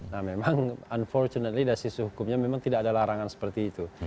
nah memang unfortunally dari sisi hukumnya memang tidak ada larangan seperti itu